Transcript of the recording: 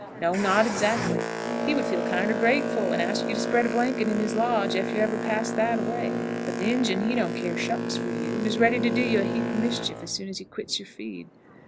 No, not adzackly. He would feel kinder grateful, and ask you to spread a blanket in his lodge ef you ever passed that a way. But the Injun he don't care shucks for you, and is ready to do you a heap of mischief as soon as he quits your feed.